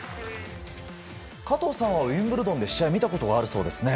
加藤さんはウィンブルドンで試合を見たことがあるそうですね。